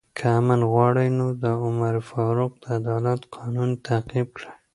که امن غواړئ، نو د عمر فاروق د عدالت قانون تعقیب کړئ.